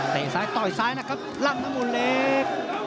เตะซ้ายต่อยซ้ายนะครับล้ำละมุนเล็ก